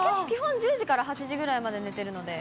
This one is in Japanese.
私は基本１０時から８時ぐらいまで寝てるので。